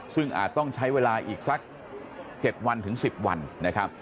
ซึ่งอาจต้องใช้เวลาอีกสัก๗วันถึง๑๐วันนะครับ